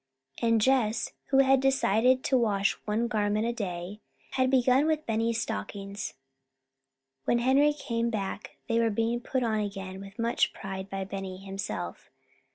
And Jess, who had decided to wash one garment a day, had begun with Benny's stockings. When Henry came they were being put on again with much pride by Benny himself.